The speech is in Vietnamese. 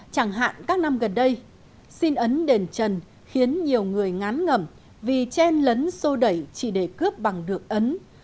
chẳng hạn các năm gần đây xin ấn đền trần khiến nhiều người ngán ngẩm vì chen lấn sô đẩy chỉ để cướp bằng được ấn